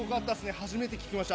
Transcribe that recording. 初めて聞きました。